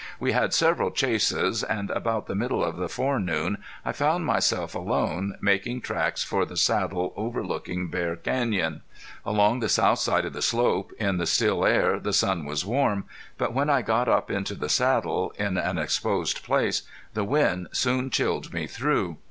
We had several chases, and about the middle of the forenoon I found myself alone, making tracks for the saddle over looking Bear Canyon. Along the south side of the slope, in the still air the sun was warm, but when I got up onto the saddle, in an exposed place, the wind soon chilled me through.